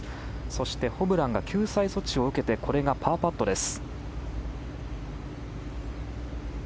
そして、ホブランが救済措置を受けてパーパットです。